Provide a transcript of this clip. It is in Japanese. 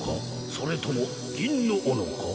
それともぎんのおのか？